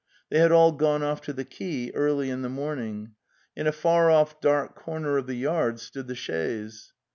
They had all gone off to the quay early in the morning. In a far off dark corner of the yard stood the chaise.